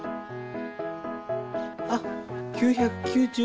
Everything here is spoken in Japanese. あっ９９０。